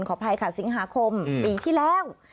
ขออภัยค่ะสิงหาคมปีที่แล้ว